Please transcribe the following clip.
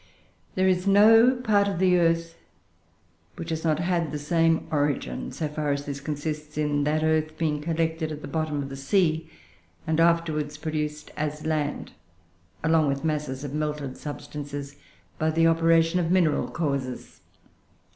There is no part of the earth which has not had the same origin, so far as this consists in that earth being collected at the bottom of the sea, and afterwards produced, as land, along with masses of melted substances, by the operation of mineral causes."